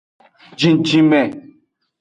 Jijime.